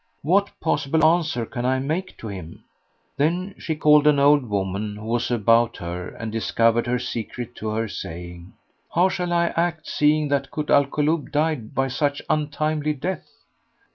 What possible answer can I make to him?" Then she called an old woman, who was about her and discovered her secret to her saying, "How shall I act seeing that Kut al Kulub died by such untimely death?"